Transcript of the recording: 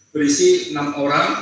berisi enam orang